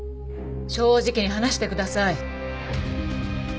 正直に話してください。